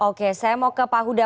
oke saya mau ke pak huda